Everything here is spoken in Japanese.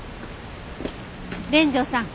連城さん